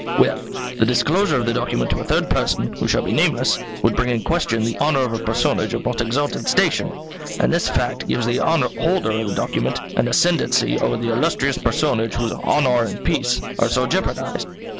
Well; the disclosure of the document to a third person, who shall be nameless, would bring in question the honour of a personage of most exalted station; and this fact gives the holder of the document an ascendency over the illustrious personage whose honour and peace are so jeopardized."